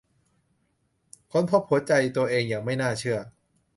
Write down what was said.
ค้นพบหัวใจตัวเองอย่างไม่น่าเชื่อ